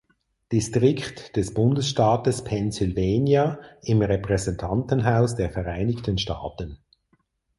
Distrikt des Bundesstaates Pennsylvania im Repräsentantenhaus der Vereinigten Staaten.